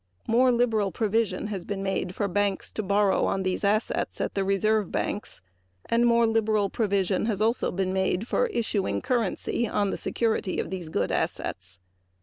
More liberal provision has been made for banks to borrow on these assets at the Reserve Banks and more liberal provision has also been made for issuing currency on the security of those good assets.